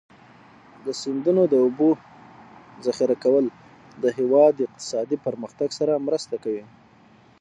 د سیندونو د اوبو ذخیره کول د هېواد اقتصادي پرمختګ سره مرسته کوي.